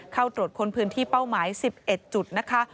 เข้าตรวจค้นพื้นที่เป้าหมาย๑๑จุดนะคะ